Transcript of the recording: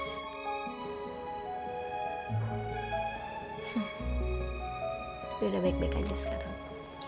tapi udah baik baik aja sekarang